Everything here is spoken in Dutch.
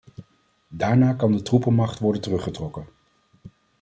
Daarna kan de troepenmacht worden teruggetrokken.